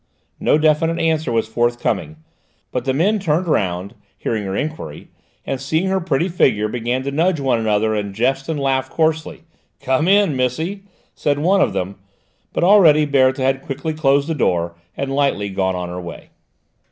No definite answer was forthcoming, but the men turned round, hearing her enquiry, and seeing her pretty figure began to nudge one another and jest and laugh coarsely. "Come in, missy," said one of them, but already Berthe had quickly closed the door and lightly gone on her way.